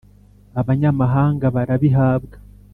Abanyamahanga barabihabwa